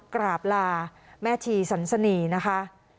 กราบลาแม่ชีสันสนีนะคะ